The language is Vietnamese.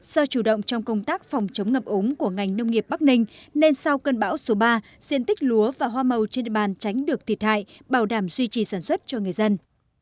do chủ động trong công tác phòng chống ngập ống của ngành nông nghiệp bắc ninh nên sau cơn bão số ba diện tích lúa và hoa màu trên địa bàn tránh được thiệt hại bảo đảm duy trì sản xuất cho người dân